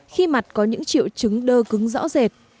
khi mặt có những triệu chứng đơ cứng rõ rệt